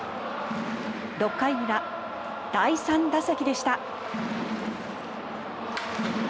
６回裏、第３打席でした。